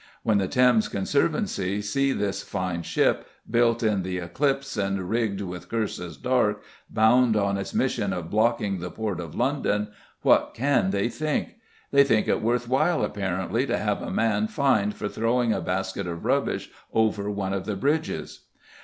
When the Thames Conservancy see this fine ship, "built in th' eclipse, and rigged with curses dark," bound on its mission of blocking the port of London, what can they think? They think it worth while, apparently, to have a man fined for throwing a basket of rubbish over one of the bridges.